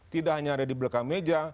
tidak hanya ada di belakang meja